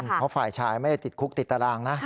เพราะฝ่ายชายไม่ได้ติดคุกติดตารางนะ